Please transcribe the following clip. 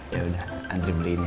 yaudah andri beliin ya